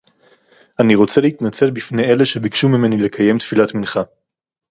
אני רוצה להתנצל בפני אלה שביקשו ממני לקיים תפילת מנחה